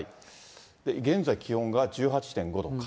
現在、気温が１８．５度か。